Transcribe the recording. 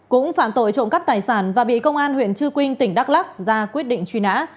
cũng phạm tội trộm cắp tài sản và bị công an huyện trư quynh tỉnh đắk lắc ra quyết định truy nã